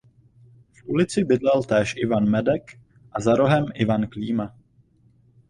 V ulici bydlel též Ivan Medek a za rohem Ivan Klíma.